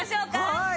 はい。